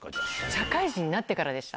社会人になってからでした。